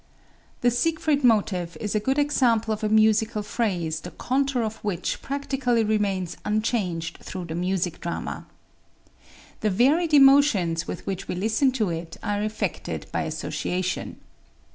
The Siegfried Motive is a good example of a musical phrase the contour of which practically remains unchanged through the music drama. The varied emotions with which we listen to it are effected by association.